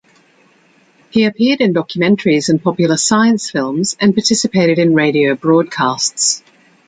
He appeared in documentaries and popular science films and participated in radio broadcasts.